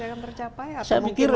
akan tercapai atau mungkin